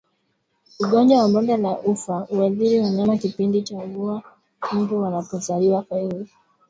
Ugonjwa wa bonde la ufa huathiri wanyama kipindi cha mvua mbu wanapozalia kwa wingi